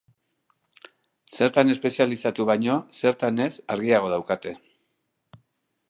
Zertan espezializatu baino, zertan ez, argiago daukate.